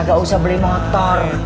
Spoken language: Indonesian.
gak usah beli motor